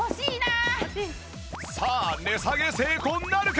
さあ値下げ成功なるか？